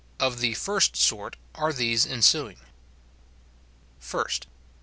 Of the first sort are these ensuing :— First.